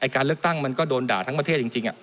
การเลือกตั้งมันก็โดนด่าทั้งประเทศจริง